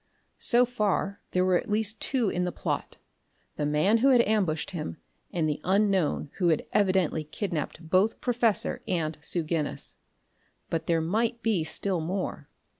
So far, there were at least two in the plot: the man who had ambushed him and the unknown who had evidently kidnapped both Professor and Sue Guinness. But there might be still more.